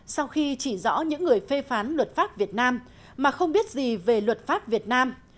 sau khi chỉ rõ những người phê phán luật pháp việt nam mà không biết gì về luật pháp việt nam